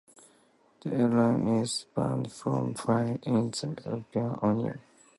The airline is banned from flying in the European union.